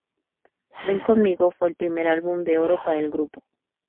Ven Conmigo fue el primer álbum de oro para el grupo.